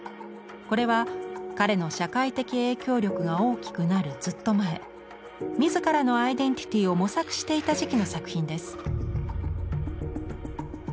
これは彼の社会的影響力が大きくなるずっと前自らのアイデンティティーを模索していた時期の作品です。